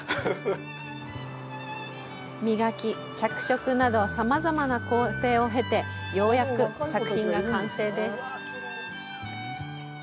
磨き、着色など、さまざまな工程を経てようやく作品が完成です。